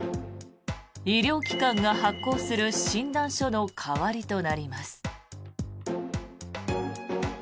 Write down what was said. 医療機関が発行する診断書の代わりとなります。